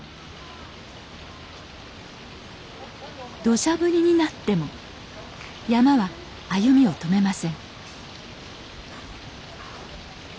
どしゃ降りになっても山車は歩みを止めません